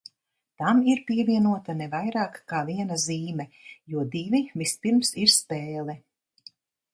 Tam ir pievienota ne vairāk kā viena zīme, jo divi vispirms ir spēle.